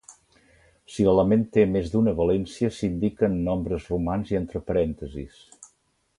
Si l'element té més d'una valència, s'indica en nombres romans i entre parèntesis.